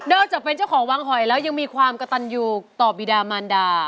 อกจากเป็นเจ้าของวางหอยแล้วยังมีความกระตันอยู่ต่อบิดามานดา